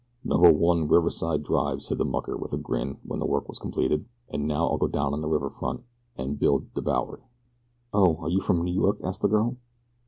"Number One, Riverside Drive," said the mucker, with a grin, when the work was completed; "an' now I'll go down on de river front an' build de Bowery." "Oh, are you from New York?" asked the girl.